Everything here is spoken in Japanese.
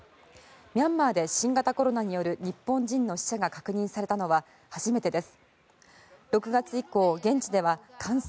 ミャンマーで新型コロナによる日本人の死者が確認されたのは初めてです。